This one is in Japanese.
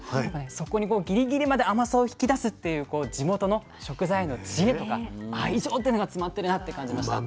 そこにギリギリまで甘さを引き出すっていう地元の食材への知恵とか愛情というのが詰まってるなって感じました。